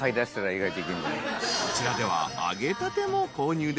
［こちらでは］